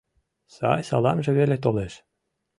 Сай саламже веле толеш.